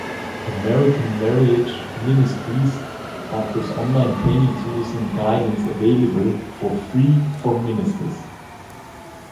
American Marriage Ministries offers online training tools and guidance available for free for ministers.